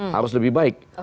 harus lebih baik